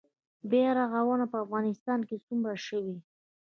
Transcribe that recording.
بیا رغونه په افغانستان کې څومره شوې؟